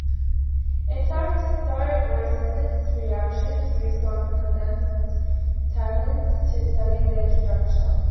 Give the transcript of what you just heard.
In fact thioglycolysis reactions used on condensed tannins to study their structure.